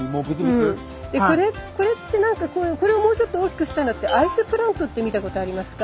これをもうちょっと大きくしたのってアイスプラントって見たことありますか？